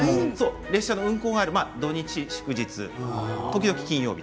列車の運行がある土日、祝日、時々平日。